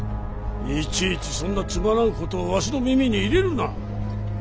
いちいちそんなつまらんことをわしの耳に入れるな。